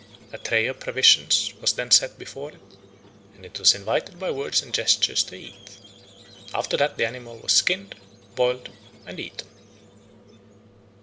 A tray of provisions was then set before it, and it was invited by words and gestures to eat. After that the animal was skinned, boiled, and eaten.